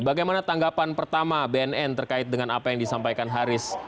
bagaimana tanggapan pertama bnn terkait dengan apa yang disampaikan haris